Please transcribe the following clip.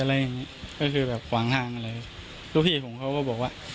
อะไรอย่างงี้ก็คือแบบขวางทางอะไรลูกพี่ผมเขาก็บอกว่า